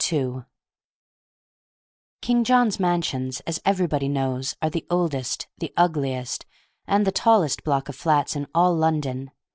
II King John's Mansions, as everybody knows, are the oldest, the ugliest, and the tallest block of flats in all London.